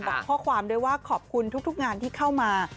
บอกข้อความด้วยว่าขอบคุณทุกงานที่เข้ามา